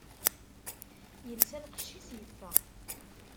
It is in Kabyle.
Yelsa lqecc-is, yeffeɣ.